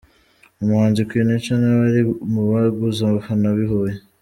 Umuhanzi Queen Cha nawe ari mu baguze abafana b’i Huye.